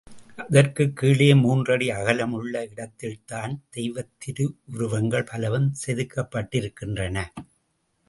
அதற்குக் கீழே மூன்றடி அகலம் உள்ள இடத்தில்தான் தெய்வத் திருவுருவங்கள் பலவும் செதுக்கப்பட்டிருக்கின்றன.